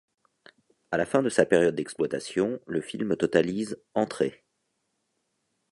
À la fin de sa période d'exploitation, le film totalise entrées.